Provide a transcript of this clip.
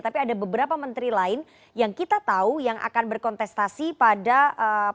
tapi ada beberapa menteri lain yang kita tahu yang akan berkontestasi pada pilpres